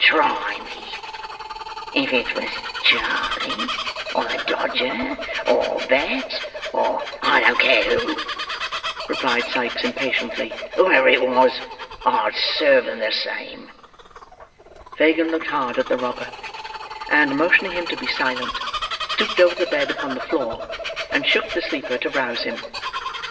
"Try me." "If it was Charley, or the Dodger, or Bet, or—" "I don't care who," replied Sikes impatiently. "Whoever it was, I'd serve them the same." Fagin looked hard at the robber; and, motioning him to be silent, stooped over the bed upon the floor, and shook the sleeper to rouse him.